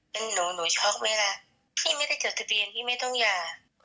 ก็หนูช็อกไว้ล่ะพี่ไม่ได้จดทะเบียนพี่ไม่ต้องยาก